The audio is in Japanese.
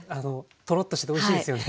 とろっとしておいしいですよね。